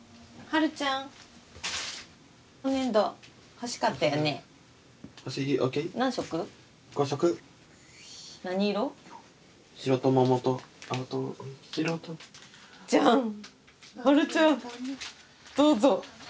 悠ちゃんどうぞ。